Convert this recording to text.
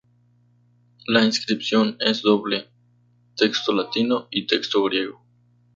La inscripción es doble: texto latino y texto griego.